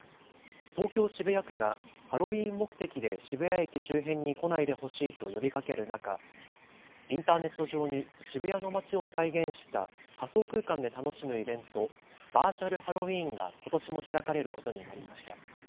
東京渋谷区がハロウィーン目的で渋谷駅周辺に来ないでほしいと呼びかける中、インターネット上に渋谷の街を再現した仮想空間で楽しむイベント、バーチャルハロウィーンがことしも開かれることになりました。